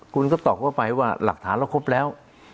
คุณก็ตอบเข้าไปว่าหลักฐานเราครบแล้ว